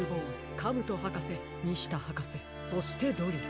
はかせニシタはかせそしてドリル。